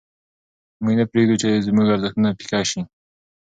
موږ نه پرېږدو چې زموږ ارزښتونه پیکه سي.